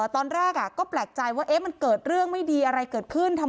ตอนแรกก็แปลกใจว่ามันเกิดเรื่องไม่ดี